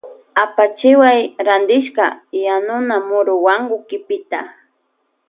Apachiwan rantishka yanuna muruwankuna kipita.